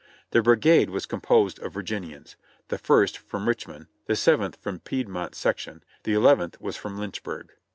The brigade was composed of Virginians ; the First from Rich mond, the Seventh from Piedmont section, the Eleventh was from Lynchburg.